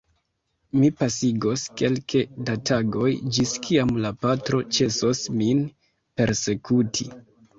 Mi pasigos kelke da tagoj, ĝis kiam la patro ĉesos min persekuti.